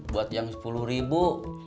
buat yang sepuluh ribu